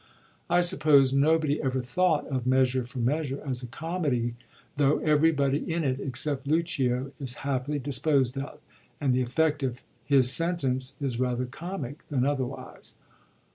I suppose nobody ever thought of Measwre for Meaav/re as a comedy, though every body in it except Lucio is happily disposed of, and the effect of hia sentence is rather comic than otherwise.